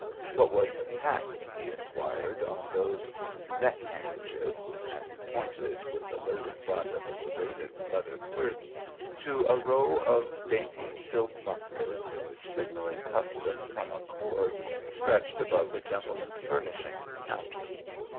What was the tax, he inquired, on those neck handkerchiefs; and he pointed with the loaded butt of his braided leather quirt to a row of dainty silk mufflers, signaling custom from a cord stretched above the gentlemen's furnishing counter.